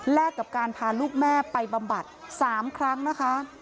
กับการพาลูกแม่ไปบำบัด๓ครั้งนะคะ